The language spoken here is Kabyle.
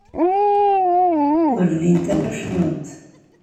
Ur llint ara cennunt.